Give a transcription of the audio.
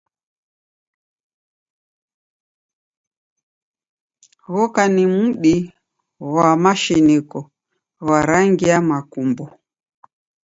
Ghoka ni mdi ghwa mashiniko ghwa rangi ya makumbo.